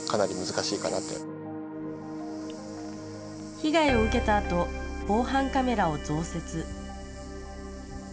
被害を受けたあと防犯カメラを増設。